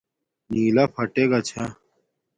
نݵلݳ فَٹݵگݳ چھݳ.